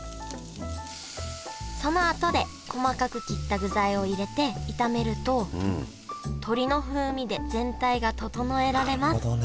そのあとで細かく切った具材を入れて炒めると鶏の風味で全体が調えられますなるほどね。